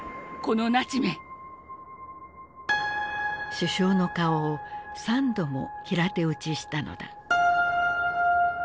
首相の顔を３度も平手打ちしたのだ。